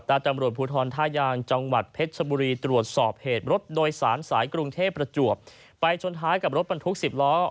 ตำรวจภูทรท่ายางจังหวัดเพชรชบุรีตรวจสอบเหตุรถโดยสารสายกรุงเทพประจวบไปชนท้ายกับรถบรรทุกสิบล้อ